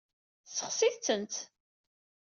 Sexsit-tent.